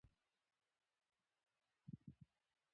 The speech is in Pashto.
موږ باید د فساد مخه ونیسو.